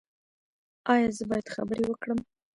ایا زه باید خبرې وکړم؟